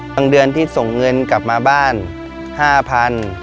บางเดือนที่ส่งเงินกลับมาบ้าน๕๐๐บาท